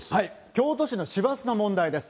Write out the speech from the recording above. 京都市の市バスの問題です。